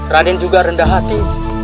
raden juga rendah hati